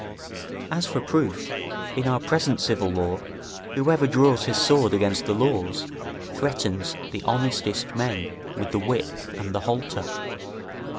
As for proof, in our present civil war whoever draws his sword against the laws, threatens the honestest men with the whip and the halter.